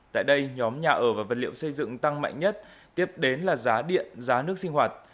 tại đây nhóm nhà ở và vật liệu xây dựng tăng mạnh nhất tiếp đến là giá điện giá nước sinh hoạt